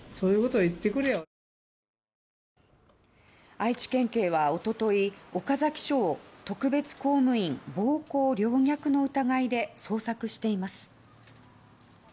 愛知県警は一昨日、岡崎署を特別公務員暴行陵虐の疑いで捜索しています。